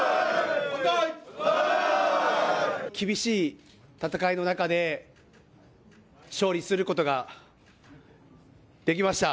厳しい戦いの中で勝利することができました。